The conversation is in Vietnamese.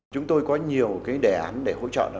chúng tôi có nhiều đề án để hỗ trợ